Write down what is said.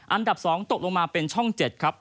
อันดับ๒ตกลงมาเป็นช่อง๗ครับ